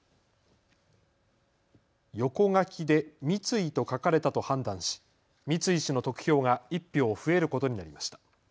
横書きで三井と書かれたと判断し三井氏の得票が１票増えることになりました。